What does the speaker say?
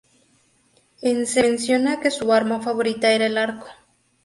En se menciona que su arma favorita era el arco.